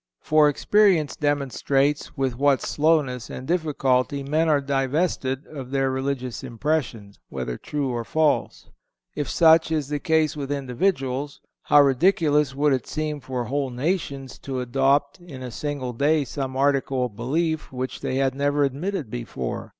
For experience demonstrates with what slowness and difficulty men are divested of their religious impressions, whether true or false. If such is the case with individuals, how ridiculous would it seem for whole nations to adopt in a single day some article of belief which they had never admitted before.